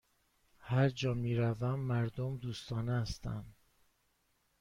هرجا می روم، مردم دوستانه هستند.